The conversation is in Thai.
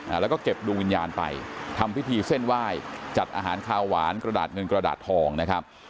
แล้วก็เก็บดวงวิญญาณไปทำพิธีเส้นไหว้จัดอาหารคาวหวานกระดาษเงินกระดาษทองนะครับ